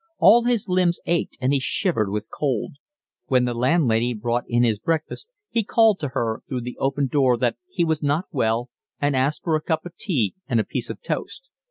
All his limbs ached and he shivered with cold. When the landlady brought in his breakfast he called to her through the open door that he was not well, and asked for a cup of tea and a piece of toast.